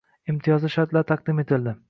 Imtiyozli shartlar taqdim etildi